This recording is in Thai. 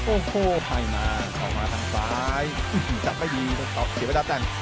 โอ้โหให้มาเอามาทางซ้ายจัดไม่ดีตอบเฉียบไปดับแต่ง